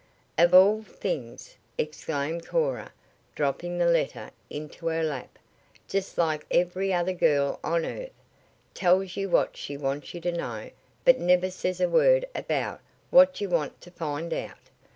"Of all things!" exclaimed Cora, dropping the letter into her lap. "Just like every other girl on earth. Tells you what she wants you to know, but never says a word about what you want to find out.